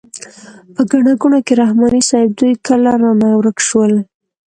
په ګڼه ګوڼه کې رحماني صیب دوی کله رانه ورک شول.